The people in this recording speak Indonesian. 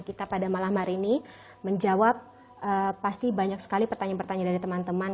kita pada malam hari ini menjawab pasti banyak sekali pertanyaan pertanyaan dari teman teman